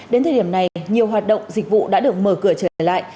đến thời điểm này nhiều hoạt động dịch vụ đã được mở cửa trở lại